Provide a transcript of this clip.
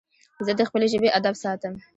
زه د خپلي ژبي ادب ساتم.